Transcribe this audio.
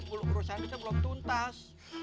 kan buru buru sanditnya belum tuntut